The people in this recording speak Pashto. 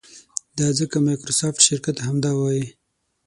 دا ځکه مایکروسافټ شرکت همدا وایي.